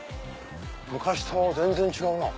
昔と全然違うなぁ。